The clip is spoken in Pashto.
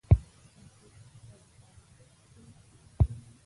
تاسو اببازک کلي کی اوسیږئ؟